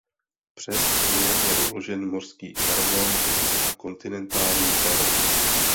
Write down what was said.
Přes ně je uložen mořský karbon a kontinentální perm.